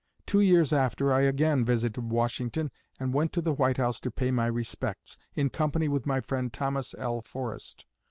Two years after, I again visited Washington, and went to the White House to pay my respects, in company with my friend Thomas L. Forrest.